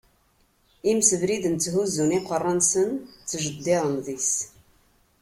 Imsebriden tthuzzun iqerra-nsen, ttjeddiren deg-s.